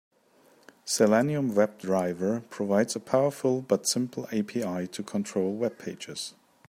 Selenium WebDriver provides a powerful but simple API to control webpages.